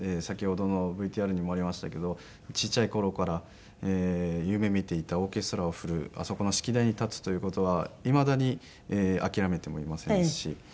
先ほどのＶＴＲにもありましたけど小ちゃい頃から夢見ていたオーケストラを振るあそこの指揮台に立つという事はいまだに諦めてもいませんし。